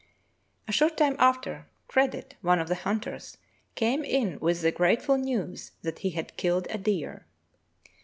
" A short time after, Credit, one of the hunters, came in with the grateful news that he had killed a deer.